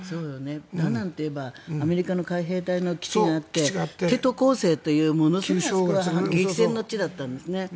ダナンといえばアメリカの海兵隊の基地があってものすごい激戦の地だったんですね。